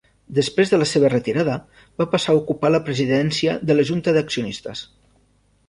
Després de la seva retirada, va passar a ocupar la Presidència de la Junta d'Accionistes.